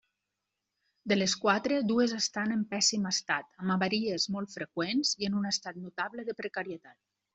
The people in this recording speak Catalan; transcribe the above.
De les quatre, dues estan en pèssim estat, amb avaries molt freqüents i en un estat notable de precarietat.